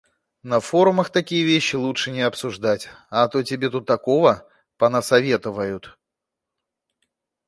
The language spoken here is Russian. На форумах такие вещи лучше не обсуждать, а то тебе тут такого понасоветовают.